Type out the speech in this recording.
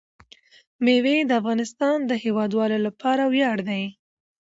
مېوې د افغانستان د هیوادوالو لپاره ویاړ دی.